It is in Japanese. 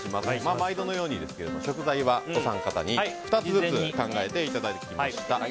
毎度のように食材はお三方に２つずつ考えていただきました。